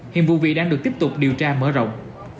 hiện vụ việc đang được tiếp tục điều tra mở rộng